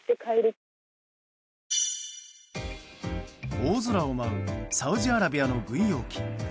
大空を舞うサウジアラビアの軍用機。